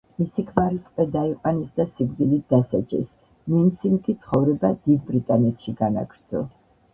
მისი ქმარი ტყვედ აიყვანეს და სიკვდილით დასაჯეს, ნენსიმ კი ცხოვრება დიდ ბრიტანეთში განაგრძო.